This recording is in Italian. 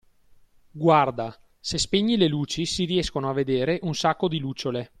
Guarda, se spegni le luci si riescono a vedere un sacco di lucciole!